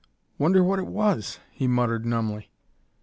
"Wonder what it was?" he muttered numbly.